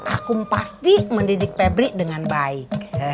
akum pasti mendidik pebri dengan baik